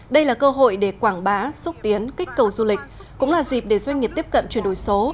đây là cơ hội để quảng bá xúc tiến kích cầu du lịch cũng là dịp để doanh nghiệp tiếp cận chuyển đổi số